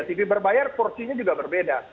tv berbayar porsinya juga berbeda